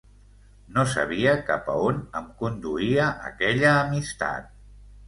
No sabia cap a on em conduïa aquella amistat.